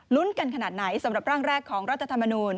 กันขนาดไหนสำหรับร่างแรกของรัฐธรรมนูล